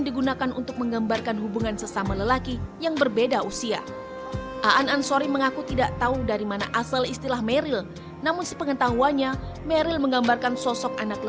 dia menyatakan kalau dirinya itu mursid sambil membanting putung rokok